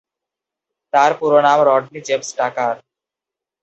তার পুরো নাম "রডনি জেমস টাকার"।